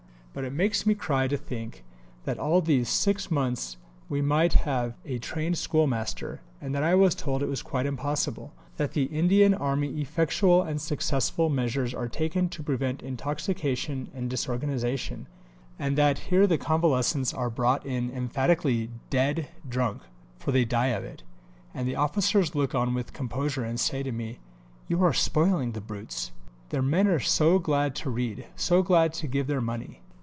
But it makes me cry to think that all these 6 months we might have had a trained schoolmaster, and that I was told it was quite impossible; that in the Indian army effectual and successful measures are taken to prevent intoxication and disorganization, and that here the Convalescents are brought in emphatically dead drunk (for they die of it), and officers look on with composure and say to me, 'You are spoiling the brutes.' The men are so glad to read, so glad to give their money."